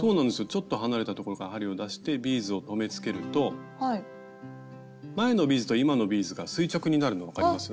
ちょっと離れたところから針を出してビーズを留めつけると前のビーズと今のビーズが垂直になるの分かります？